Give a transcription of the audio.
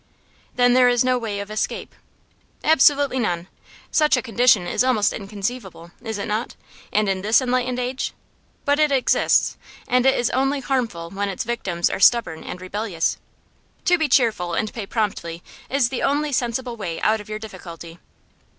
"Then there is no way of escape?" "Absolutely none. Such a condition is almost inconceivable, is it not? and in this enlightened age? But it exists, and is only harmful when its victims are stubborn and rebellious. To be cheerful and pay promptly is the only sensible way out of your difficulty."